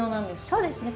そうですね。